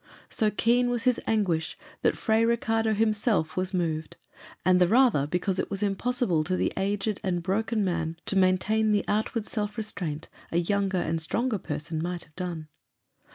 So keen was his anguish that Fray Ricardo himself was moved; and the rather, because it was impossible to the aged and broken man to maintain the outward self restraint a younger and stronger person might have done.